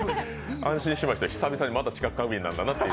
安心しましたよ、久々にまだ知覚過敏なんだなっていう。